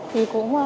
thì cũng muốn